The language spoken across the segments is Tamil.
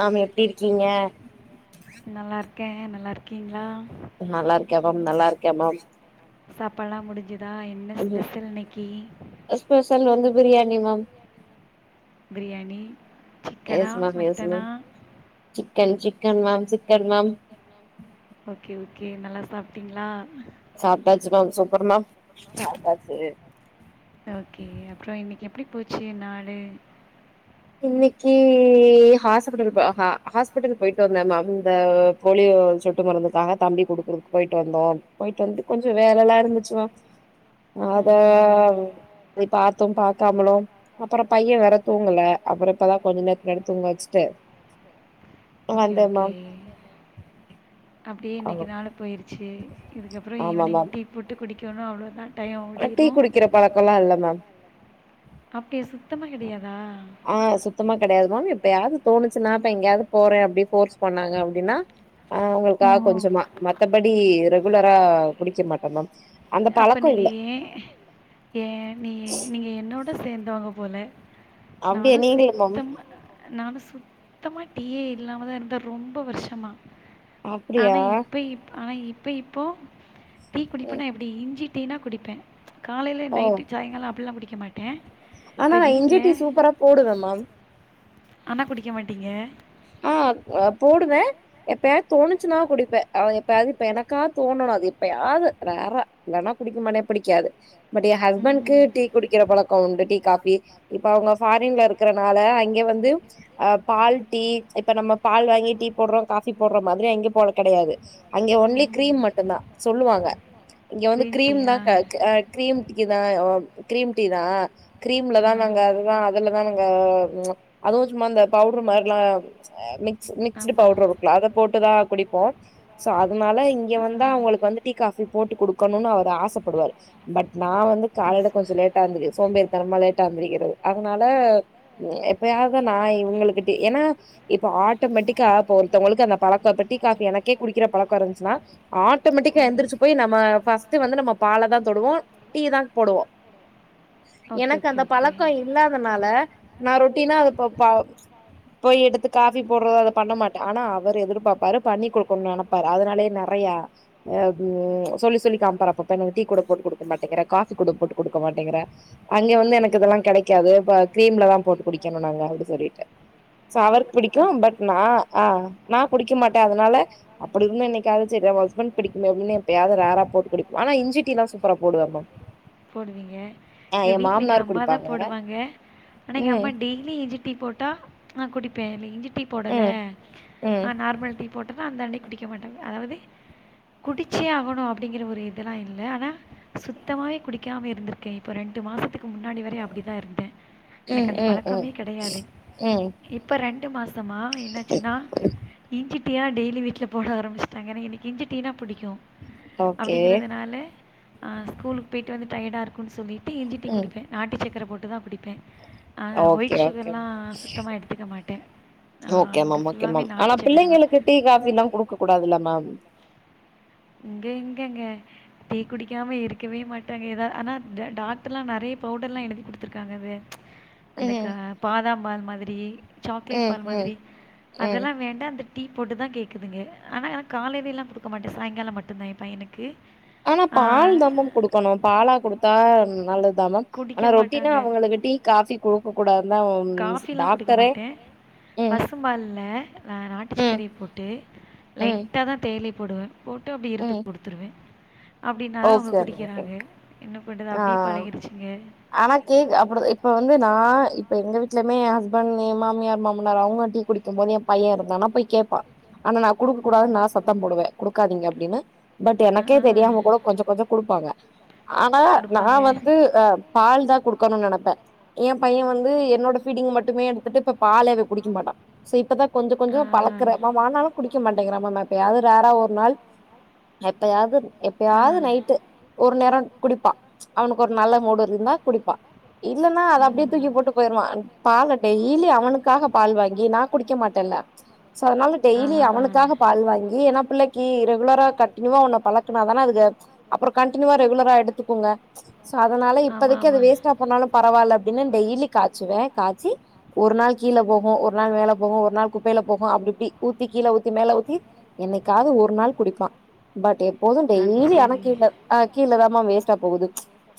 ஆமா எப்டி இருக்கீங்க கே நல்லா இரு நல்லா இருக்கே மேம் நல்லா இருக்கே மேம் சாப்பாடலா முடிஞ்சு [unintelligible] எஸ்பெஷல் வந்து பிரியாணி மேம் பிரியாணி சிக்கனா மட்டனா கன் chicken ma'am chicken ma'am okay okay நல்லா சாப்ட்டீங்களா சாப்ட்டாச்சு மேம் சூப்பர் மேம் சாப்ட்டாச்சு ஓகே அப்புற இன்னைக்கு எப்டி போச்சு நாளு இன்னைக்கு ஹாஸ்பிடல் பல ஹா ஹாஸ்பிடல் போயிட்டு வந்தே மேம் இந்த போலியோ போல் சொட்டு மருந்துக்காக தம்பி கொடுக்குறதுக்கு போயிட்டு வந்தோ போயிட்டு வந்து கொஞ்ச வேல எல்லா இருந்துச்சு மேம் அத அது பாத்து பாக்காமலு அப்புற பைய வேற தூங்கல அப்புற இப்பதா கொஞ்ச நேரத்துக்கு முன்னாடி தூங்க வச்சுட்டு ஓகே ஓகே அப்டியே இன்னைக்கு நாள் போயிடுச்சு இதுக்கப்புற ஈவினிங் டீ போட்டு குடிக்கணு அவ்ளோ தான் எப்பயு குடிக்கிற பழக்கலா இல்ல மேம் அப்டியா சுத்தமா கெடையாதா ஆ சுத்தமா கெடையாது மாம் எப்பயாவது தோணுச்சுன்னா இப்ப எங்கேயாவது போறே அப்டி ஃபோர்ஸ் பண்ணாங்க அப்டின்னா ஆ அவங்களுக்கா கொஞ்சமா மத்தபடி ரெகுலரா குடிக்க மாட்டே மேம் அப்ப நீங்க ஏ ஏ நீ நீங்க என்னோட சேந்தவங்க போல நானு சுத்தமா நானு சுத் சுத்தமா டீ ஏ இல்லாம தா இருந்தே ரொம்ப வருஷமா ஆனா இப்ப இப் ஆனா இப்ப இப்போ டீ குடிப்பேனா எப் இஞ்சி டீனா குடிப்பே காலையில நைட்டு சாய்ங்காலோ அப்டிலா குடிக்க மாட்டே இப்ப வீட்டுல ஆமாம் ஆனா குடிக்க மாட்டீங்க அ க போடுவே எப்பயா தோணுச்சினா குடிப்பே அ எப்பயாது இப்ப எனக்கா தோணணு அது எப்பயா எப்பாது ரேரா இல்லனா குடிக்க மாட்டே புடிக்காது பட் எயா ஹஸ்பெண்ட்கு டீ குடிக்கிற பழக்கோ உண்டு டீ டீ காஃபி இப்ப அவுங்க ஃபாரின்ல இருக்கறனால அங்கே வந்து அ பால் டீ இப்ப நம்ம பால் வாங்கி டீ போட்றோ காஃபி போட்ற மாதிரி இங்கே போல கெடையாது அங்கே ஓன்லி கிரீம் மட்டும்தா சொல்லுவாங்க இங்க வந்து கிரீம் தா க கா கிரீம் டீக்கிதா அ கிரீம் டீ தா கிரீம்ல தா நாங்க அதுதா அதுல தா நாங்கோ அதுவு சும்மா அந்த பவுட்ரு மாரில்லாம் அ மிக்ஸ் மிக்ஸ்ட் பவுடரு இருக்குல்லா அத போட்டுதா குடிப்போ சோ அதனால இங்க வந்தா அவங்களுக் வந்து டீ காஃபி போட்டு குடுக்கணும்னு அவர் ஆசப்படுவாரு பட் நா வந்து காலைல கொஞ்சோ லேட்டா எந்தி சோம்பேறி தெனமு லேட்ட எந்திரிக்கிறது அதனால எப்பயாது நா இவங்களுக்கு டீ ஏன்னா இப்ப ஆட்டோமேட்டிக்கா இப்ப ஒருத்தவங்களுக்கு அந்த பழக்கோ இந்த டீ காஃபி எனக்கே குடிக்கிற பழக்கோ இருந்துச்சினா ஆட்டோமேட் மேட்டிக்கா எந்துருச்சி போய் நம்ம ஃபர்ஸ்ட் வந்து நம்மோ பால தா தொடுவோ டீ தா போவோ உ எனக்கு அந்த பழக்கோ இல்லாதனால நா ரொட்டினா அது போ ப போய் எடுத்துக் காஃபி போட்றத அத பண்ண மாட்டே ஆனா அவர் எதிர்பார்ப்பாரு பண்ணி குடுக்கணும்னு நெனைப்பாரு அதனாலயே நெறையா அ சொல்ல சொல்லி காமிப்பாரு அப்பப்ப எனக் டீ கூட போட்டுக் குடுக்க மாட்டேங்கிற காஃபி கூட போட்டு குடுக்க மாட்டேங்கிற அங்க வந்து எனக்கு இதெல்லா கெடைக்காது இப்ப கிரீம்ல தா போட்டு குடிக்கணு நாங்க அப்டி சொல்லிட்டு சோ அவர் புடிக்கு பட் நா அ நா குடிக்க மாட்டே அதனால அப்படி இருந்து என்னைக்காச்சி என்னோட ஹஸ்பண்ட் குடிக் முன்னோர் முன்னையு எப்பயாது ரேரா போட்டு குடிப்போ ஆனா இஞ்சி டீலா சூப்பரா போடுவேமா போடுவீங்க எங்க வீட்டுல எங்க அம்மாதா போடுவாங்க ஆனா எங்க அம்மா டெய்லி இஞ்சி டீ போட்டா அ குடிப்பே இல்ல இஞ்சி டீ போடல ஆ நார்மல் டீ போட்டா டா அந்த அண்டிக் குடிக்க மாட்டே அதாவது குடிச்சே ஆகணு அப்டிங்கிற ஒரு இதெல்லா இல்ல ஆனா சுத்தமாவே குடிக் டிகாம இருந்திருக்கே இப்ப ரெண்டு மாசத்துக் முன்னாடி வரை அப்டிதா இருந்தே எனக்கு அந்த பழக்கமே கெடையாது இப்ப ரெண்டு மாசமா என்னாச்சின்னா இஞ்சி டீ யா டெய்லி வீட்ல போட ஆரம்பிஷ்டாங்க ஏன்ன எனக்கு இஞ்சி டீனா புடிக்கு அப்டிங்கறதுனால அ ஸ்கூலுக்கு போயிட்டு வந்து டயாடா இருக்குன்னு சொல்லி டீ இஞ்சி குடிப்பே நாட்டுச்சக்கர போட்டு தா குடிப் பே அ ஒயிட் சுகர்லா சுத்தமா எடுத்துக்க மாட்டே ஒகே மேம் ஒகே மேம் ஆனா பிள்ளைங்களுக்கு டீ காஃபில்லா குடுக்க கூடாதுல்ல மேம் இங்க எங்கங்க டீ குடிக்காம இருக்கவே மாட்டாங்க ஏதா ஆனா த டாக்டர்லா நெறைய பவுடர்லா எழுதி குடுத்துருக்காங்க அது அந்த க பாதாம்பால் மாதிரி சாக்லேட் பால் மாதிரி அதெல்லா வேண்டா அந்த டீ போட்டு தா கேக்குதுங்க ஆனா என்னா காலைல எல்லா குடுக்க மாட்டே சாயங்காலோ மட்டுதா என் பையனுக்கு ஆனா பால் தா மேம் குடுக்கணு பாலா குடுத்தா நல்லது தா மேம் ஆனா ரொட்டினா அவங்களுக்கு டீ காஃபி குடுக்க கூடாது காஃபி எல்லா குடிக்க மாட்டே பசும்பால்ல நாட்டுச்சக்கரய போட்டு லைட்டாதா தேயிலை போடுவே போட்டு அப்டி இருக்கு குடுத்துருவே அப்டினாதா அவுங்க குடிக்கிறாங்க என்ன பண்றது அப்படியே பழகிடுச்சுங்க ஆனா கேக் அப்ப இப்ப வந்து நா இப்ப எங்க வீட்டுலுமே என் ஹஸ்பண்ட் என் மாமியார் மாமனார் அவுங்க டீ கு டிக்கும்போது என் பையன் இருந்தானா போய் கேப்பா ஆனா நா குடுக்க கூடாது நா சத்தம் போடுவே குடுக்காதீங்க அப்டின்னு பட் எனக்கே தெரியாம கூட கொஞ்சோ கொஞ்சோ குடுப்பாங்க ஆனா நா வந்து அ குடுக்கணுனு நெனப்பே என் பையன் வந்து என்னோட ஃபீடிங் மட்டுமே எடுத்துட்டு இப்போ பாலே அவன் குடிக்க மாட்டா சோ இப்பதா கொஞ்சோ கொஞ்சோ மாமேம் பழக்கறன் ஆனாலும் குடிக்க மாட்டேங்கறான் மாமேம் எப்பயாது ரேரா ஒரு நாள் எப்பயாது எப்பயாது நைட்டு ஒரு நேரோ குடிப்பான் அவுனுக்கு ஒரு நல்ல மூடு இருந்தா குடிப்பான் இல்லனா அத அப்டியே தூக்கி போட்டு போயிருவான் பால டெய்லி அவுனுக்காக பால் வாங் நா குடிக்க மாட்டல்ல அதனால டெய்லி அவுனுக்காக பால் வாங்கி ஏனா பிள்ளைக்கு ரெகுலரா கட் னுவா ஒன்னு பழக்குனாதானா அதுக அப்றோ கண்டினுவா ரெகுலரா எடுத்துகுங்க சோ அதனால இப்போதைக்கு அது வேஸ்டா போனாலு பரவால தினோ டெய்லி காச்சுவேன் காச்சி ஒரு நாள் கீழ போகு ஒரு நாள் மேல போகு ஒரு நாள் குப்பைல போகு அப் இப்ப்டி ஊத்தி கீழ ஊத்தி மேல ஊத்தி என்னைக்காவது ஒரு நாள் குடிப்பான் பட் போது டெய்லி ஆனா கீழ ஆ கீழதா மேம் வேஸ்டா போகுது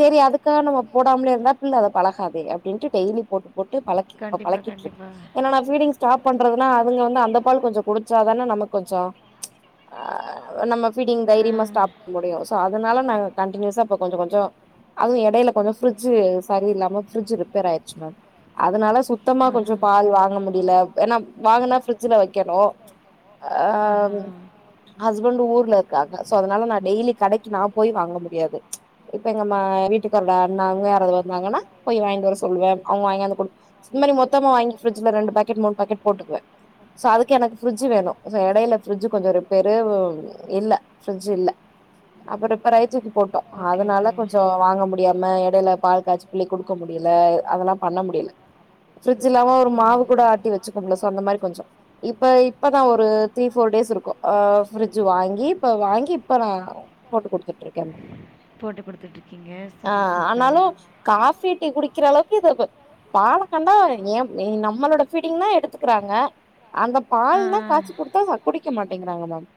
சேரி அது க நாம போடாமலே இருந்தா புள்ள அத பழகாதே அப்டின்ட்டு டெய்லி போ ட்டு பழக்கி இப்ப பழக்கிட்டு இருக்கு ஏனி நா பீடிங் ஸ்டாப் பண்றதுனா அதுங்க வந்து அந்த பால் கொஞ்சோ குடிச்சாதானே நமக்கு கொஞ்சோ அ நம்ம ஃபிடிங் தைரியமா ஸ்டாப் பண்ண முடியு சோ அதனால நாங் கண்டியூஸா இப்ப கொஞ்ச கொஞ்சோ அது இடைல கொஞ்சோ ஃப்ரிட்ஜு சரி இல்லாம ப்ரிஜ்ஜு ரிப்பேர் ஆயிருச்சு மேம் அதனால சுத்தமா கொஞ்சோ பால் வாங்க முடில ஏனா வாங்குனா ஃபிரிட்ஜ்ல வெக்கணு அ ம் ஹஸ்பண்ட் ஊர்ல இருக்காங்க சோ அதனால நா டெய்லி கடைக்கு நா போய் வாங்கனு முடியாது இப்ப எங்க வீட்டுக்காரோட அண்ணாங்க யாராவது வாங்தங்கன்னா போய் வாங்கிட்டு வர சொல்லுவ அவுங்க வாங்கியாந்து குடு இந்த மாரி மொத்தமா வாங்கி ஃபிரிட்ஜ்ல ரெண்டு பாக்கெட் மூனு பாக்கெட் போட்டுக்குவே சோ அதுக்கு எனக்கு ஃபிரிட்ஜ் வேணு சோ இடைல ஃபிரிட்ஜ் கொஞ்சோ ரிப்பேர் இல்ல ஃபிரிட்ஜ் இல்ல அப்றோ இப்ப ரைத்தூக்கி போட்டோ அதனால கொஞ்சோ வாங் முடியாம இடைல பால் காய்ச்சி புள்ளைக்கு குடுக்க முடில அதெல்லா பண்ண முடில ஃபிரிட்ஜ் இல்லாம ஒரு மாவு கூட ஆட்டி வெச்சுக்கும்ல்ல சோ அந்த மாரி கொஞ்சோ இப்ப இப்பதா ஒரு த்ரீ ஃபோர் டேஸ் இருக்கு ஃபிரிட்ஜ் வாங்கி இப்ப வாங்கி இப்ப நா போட்டு குடுத்துட்டு இருக்கே போட்டு குடுத்துட்டு ஆ ஆனாலு காஃபி டீ குடிக்கிற அளவுக்கு இது பாலகண்டா என் நம்மளோட ஃபீடிங்னா எடுத்துக்கிறாங்க அந்த பால்னா காச்சி குடுத்தா குடிக்க மாட்டேங்கிறாங்க மேம்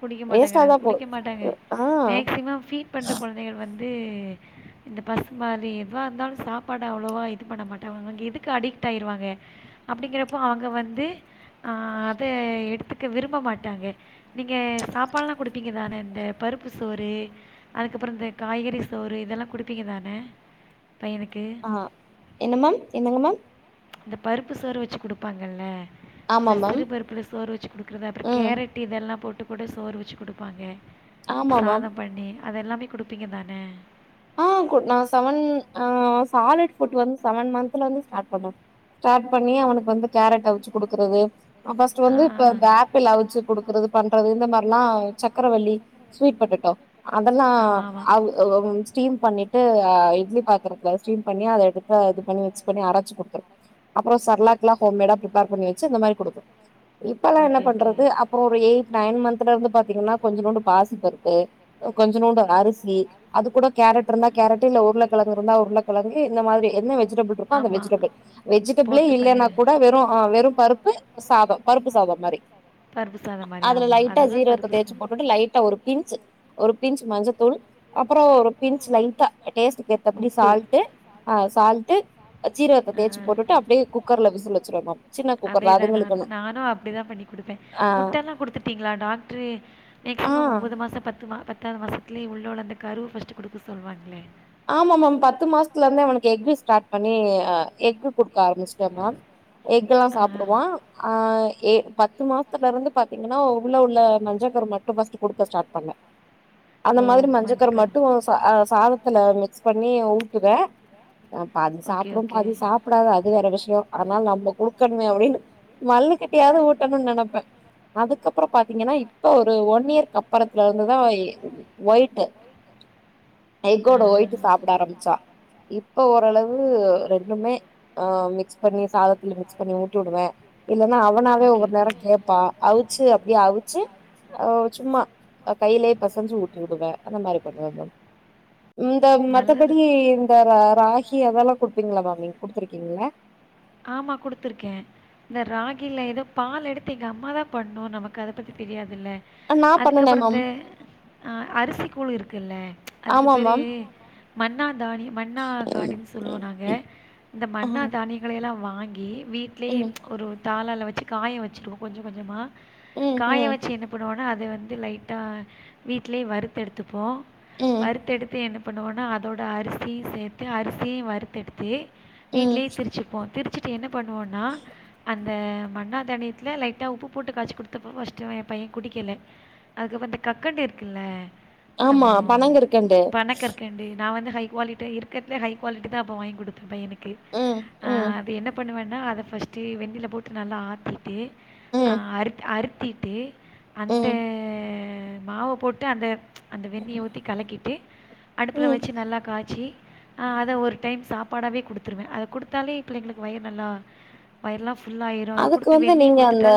குடிக்க மாட்டாங்கறாங்க குடிக்க மாட்டாங்க மேக்சிமம் ஃபீட் பண்ற கொழந்தைகள் வந்து இந்த பசு மாரி எதுவா இருந்தாலு சாப்பாடு அவ்ளவா இது பண்ண மாட்டாங்க அவுங்க இதுக்கு அடிக்ட் ஆயிருவாங்க அப்டிங்கறப்போ அவுங்க வந்து ஆ அத எடுத்துக்க விரும்ப மாட்டாங்க நீங்க சாப்பாடெல்லா குடுப்பீங்கதான இந்த பருப்பு சோறு அதுக்கப்பறோ இந்த காய்கறி சோறு இதெல்லா குடுப்பீங்கதான ஆ என்ன மேம் என்னங்க மேம் இந்த பருப்பு சோறு வெச்சு குடுப்பாங்கல்ல இந்த சிறு பருப்புல சோறு வெச்சு குடுக்கறது அப்றோ கேரட் இதெல்லா போட்டு கூட சோறு வெச்சு குடுப்பாங்க சாதம் பண்ணி அதெல்லாமே குடுப்பீங்கதானே ஆ கு நா செவன் ஆ சாலிட் ஃபுட் வந்து செவன் மந்த்ல இருந்து ஸ்டார்ட் பண்ணுவோ ஸ்டார்ட் பண்ணி அவனுக்கு வந்து கேரட் அவுச்சு குடுக்கறது ஃபர்ஸ்ட் வந்து இப்ப ஆ ப்பில் அவுச்சு குடுக்கறது பண்றது இந்த மாரில்லா சக்கரவள்ளி ஸ்வீட் பொட்டேடோ அதெல்லா [unintelligible] பண்ணிட்டு அ இட்லி பாத்திரத்துல ஸ்டீம் பண்ணி அத எடுத்து இது பண்ணி மிக்ஸ் பண்ணி அரச்சு குடுத்த அப்றோ செர்லாக்லா ஹோம்மேடா ப்ரிப்பேர் பண்ணி வெச்சு இந்த மாரி குடுப்ப இப்பெல்லா என்ன பண்றது அப்றோ ஒரு எயிட் நைன் மன்த் த்தலிருந்து பாத்தீங்கன்னா கொஞ்சனுன்டு பாசிப்பருப்பு கொஞ்சனுன்டு அரிசி அது கூட கேரட் இருந்தா கேரட் இல்ல உருளக்கெழங்கு இருந்தா உருளக்கெழங்கு இந்த மாரி என்ன வெஜ் வெஜிடபிள் இருக்கோ அந்த வெஜிடபிள் வெஜிடபிளே இல்லன்னா கூட வெறு அ வெறு பருப் பு சாதோ பருப்பு சாதோ மாரி அதுல லைட்டா ஜீரகத்த தேய்ச்சு போட்டுட்டு லைட்டா ஒரு பின்ச் ஒரு பிஞ்ச் மஞ்சத்தூள் அப்றோ ஒரு பிஞ்ச் லைட்டா டேஸ்ட்க்கு ஏத்தபடி சால்ட்டு அ சால்ட் டு சீரகத்த தேய்ச்சு போட்டுட்டு அப்டியே குக்கர்ல விசில் வெச்சிரனு அதே தா நானு அப்டி தா பண்ணி குடுப்பே முட்டலா குடுத்துட்டீங்களா டாக்டரு ஒம்போது மாசோ பத்து பத்தாவது மாசத்துலே உள்ளயுள்ள அந்த கருவ ஃபர்ஸ்ட்டு குடுக்க சொல்லுவாங்களே ஆமா மேம் பத்து மாசத்லந்தே அவனுக்கு எக்கு ஸ்டார்ட் பண்ணி எக்கு குடுக்க ஆரம்பிச்சுட்டே மேம் எக் எல்லா சாப்டுவா அ பத்து மாசத்துல இருந்து பாத்தீங்கன்னா உள்ளயுள்ள மஞ்ச கரு மட்டு ஃபர்ஸ்ட் குடுக்க ஸ்டார்ட் பண்ணே அந்த மாரி ட்ட மஞ்சக்கரு மட்டு சாதத்துல மிக்ஸ் பண்ணி ஊட்டுவ பாதி சாப்டு பாதி சாப்டாது அது வேற விஷ் யோ ஆனா நம்ம குடுக்கணுமே அப்டின்னு மல்லு கட்டியாவது ஊட்டணுனு நெனப்பே அதுக்கப்றோ பாத்தீங்கன்னா இப்ப ஒரு ஒன் இயர் அப்றத்துல இருந்துதா ஒய்ட்டு எக்கோட ஒயிட்டு சாப்ட ஆரம்பிச்சா இப்ப ஓரளவு ரெண்டுமே அ மிக்ஸ் பண்ணி சாதத்துல மிக்ஸ் பண்ணி ஊட்டி வுடுவே இல்லன்னா அவனாவே ஒவ்வொரு நேரோ கேப்பா அவுச்சு அப்டியே அவுச்சு அ சும்மா கையிலயே பெசஞ்சு ஊட்டி விடுவே அந்த மாரி பண்ணுவே மேம் இந்த மத்தபடி இந்த ராகி அதெல்லா குடுப்பீங்களா மேம் நீங்க குடுத்துருக்கீங்ளா ஆமா குடுத்துருக்கே இந்த ராகில ஏதோ பால் எடுத்து எங்க அம்மா தா பண்ணு நம எனக்கு அத பத்தி தெரியாதுல்ல அதுக்கப்றோ இந்த அரிசி கூழு இருக்குல்ல அது அதுக்கு பேரு மண்ணா தானி மண்ணா காடு சொல்லுவோ நாங்க இந்த மண்ணா தானி வாங்கி வீட்லயே ஒரு தாளால வெச்சு காய வெச்சுருவோ கொஞ்ச கொஞ்சமா காய வெச்சு என்ன பண்ணுவோன்னா அத வந்து லைட்டா வீட்லயே வறுத்தெடுத்துப்போ வருத்தெடுத்து என்ன பண்ணுவோன்னா அதோட அரிசி சியு சேத்து அரிசியு வறுத்தெடுத்து வீட்லயே திரிச்சுப்போ திரிச்சுட்டு என்ன பண் பண்ணுவோனா அந்த மண்ணா தானியத்துல லைட்டா உப்பு போட்டு காச்சி குடுத்தப்ப ஃபர்ஸ்ட்டு அவ ஏ பைய குடிக்கல அதுக்கப்றோ இந்த கக்கண்டு இருக்குல்ல ஆமா பனங்கற்கண்டு ஹை க்வாலிட்டியா இருக்கரதுலயே ஹை க்வாலிட்டி தா அப்ப வாங்கி குடுத்தே ஏ பையனுக்கு அ அது என்ன பண் பண்ணுவேனா அத ஃபர்ஸ்ட்டு வெந்நீல போட்டு நல்லா ஆத்திட்டு அ அறுத் அறுத்திட்டு அந்த மாவ போட்டு அந்த அந்த வெந்நீய‌ ஊத்தி கலக்கிட்டு அடுப்புல வெச்சு நல்லா காய்ச்சி அத ஒரு டைம் சாப் பாடாவே குடுத்துருவே‌ அத குடுத்தாலே ஏ பிள்ளைங்களுக்கு வயிர் நல்லா வயிறில்லா அதுக்கு வந்து நீங்க அந்த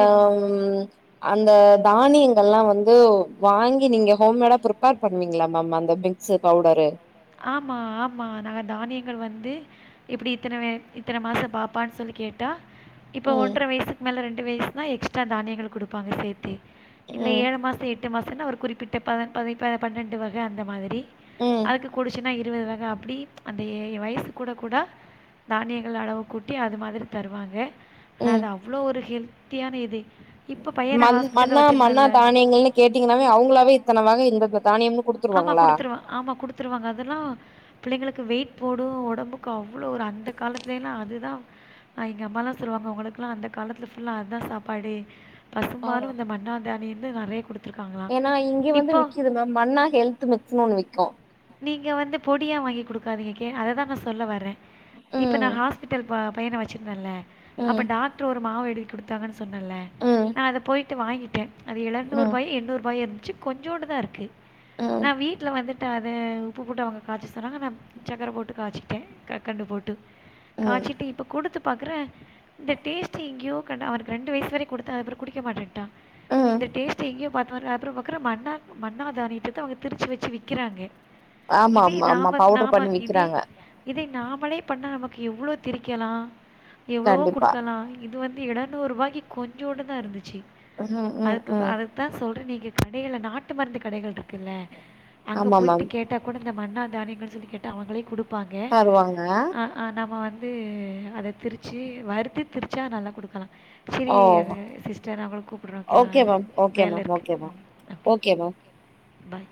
ம் அந்த தானியங்கள்ல்லா வந்து வாங்கி நீங்க ஹோம்மேடா ப்ரிப்பேர் பண்ணுவீங்களா மேம் அந்த மிக்ஸ்சு பவ்டரு ஆமா ஆமா நாங்க தானியங்கள் வந்து இப்டி இத்தன இத்தன மாச பாப்பான்னு சொல்லி கேட்டா இப்ப ஒன்றர வயசுக்கு மேல ரெண்டு வயசுனா எக்ஸ்ட்ரா தானியங்கள் குடுப்பாங்க சேத்தி இல்ல ஏழு மாசோ எட்டு மாசோன்னா ஒரு குறிப்பிட்ட ப ப பன்னெண்டு வக அந்த மாரி அதுக்கு இருபது வக அப்டி அந்த வயசு கூட கூட தானியங்கள்ள அளவு கூட்டி அது மாதிரி தருவாங்க ஆனா அது அவ்வளோ ஒரு ஹெல்த்தியான இது மன் மன்னா மன்னா தானியங்கள்னு கேட்டீங்கன்னாவே அவங்களாவே இத்தன வக இந்த ஆமா குடுத்துருவா ஆமா குடுத்துருவாங்க அதெல்லா புள்ளைங்களுக்கு வெயிட் போடு ஒடம்புக் கு அவ்ளோ ஒரு அந்த காலத்துலைலா அதுதா அ எங்க அம்மாலா சொல்லுவாங்க உங்களுக்குல்லா அந்த காலத்துல ஃபுல்லா அதா சாப்பாடு பசும்பாலும் இந்த மன்னா தானியந்த நெறைய குடு ஏன்னா இங்கே வந்து விக்குது மேம் மன்னா ஹெல்த் மிக்சுனு ஒன்னு விக்கு நீங்க வந்து பொடியா வாங்கி குடுக்காதீங்க கே அததா நா சொல்ல வர்றே இப்ப நா ஹாஸ்பிட்டல் ப பையன வச்சிருந்தேன்ல அப்ப டாக்டர் ஒரு மாவு எழுதி குடுத்தாங்கன்னு சொன்னல்ல நா அத போய்ட்டு வாங்கிட்டே அது எழநூறூபாயு எண்ணூறூபாயோ இருந்துச்சு கொஞ்சூண்டுதா இருக்கு நா வீட்டுல வந்துட்டு அ அத உப்பு போட்டு அவங்க காய்ச்ச சொன்னாங்க நா சக்கர போட்டு காய்ச்சிட்டே கற்கண்டு போட்டு காச்சிட்டு இப்ப குடுத்து பாக்குற இந்த டேஸ்ட் எங்கேயோ கண்ட அவனுக்கு ரெண்டு வயசு வரைய குடுத்த அதுப்பறோ குடிக்க மாட்டேன்ட்டா இந்த டேஸ்ட் எங்கயோ பாத்த மார் அப்றோ பாக்கற மன்னா மன்னா தானியத்தத அவங்க திருச்சு வச்சு விக்கிறாங்க. இதே நாம நாம இதே இதை நாமளே பண்ண நம கு எவ்ளோ திரிக்கலா எவ்ளோவோ குடுக்கலா இது வந்து எழநூறுபாய்க்கு கொஞ்சோண்டுதா இருந்துச்சு அதுக்கு ப அதுக்தா சொல்ற நீங்க கடைகள்ல நாட்டு மருந்து கடைகள் இருக்குல்ல அங்க போயிட்டு கேட்டா கூட இந்த மண்ணா தானியங்கள்னு சொல்லி கேட்டா அவங்களே குடுப்பாங்க அ ஆ ஙநம்ம வந் து அத திரிச்சு வறுத்து திரிச்சா நல்லா குடுக்கலா செரி சிஸ்டர் நா ஒங்கள கூப்புடுற ஓகே வா வேல இருக்கு ஓகேமா பாய்